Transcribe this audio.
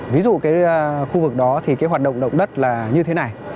ví dụ cái khu vực đó thì cái hoạt động động đất là như thế này